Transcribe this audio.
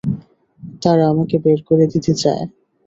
তারা আমাকে বের করে দিতে চায়।